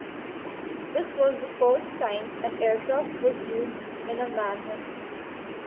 This was the first time an aircraft was used in a manhunt.